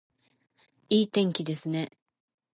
いい天気ですね